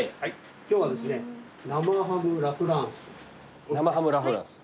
今日は生ハムラフランス。